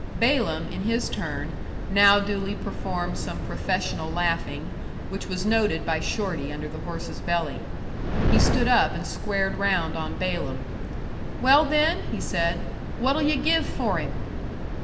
Balaam, in his turn, now duly performed some professional laughing, which was noted by Shorty under the horse's belly. He stood up and squared round on Balaam. "Well, then," he said, "what'll yu give for him?"